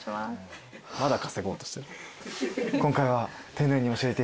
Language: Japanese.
まだ稼ごうとしてる。